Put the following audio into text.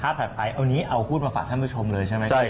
ถัดไปเอานี้เอาหุ้นมาฝากท่านผู้ชมเลยใช่ไหม